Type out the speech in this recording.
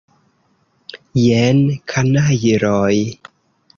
Jen, kanajloj!